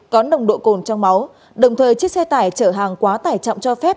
có nồng độ cồn trong máu đồng thời chiếc xe tải chở hàng quá tải trọng cho phép